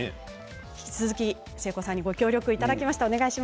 引き続き誠子さんにご協力いただきました。